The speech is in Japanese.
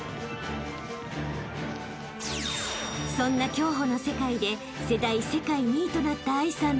［そんな競歩の世界で世代世界２位となった］